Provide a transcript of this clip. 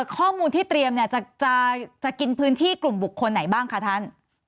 ข้อมูลที่เตรียมเนี่ยจะกินพื้นที่กลุ่มบุคคลไหนบ้างคะท่าน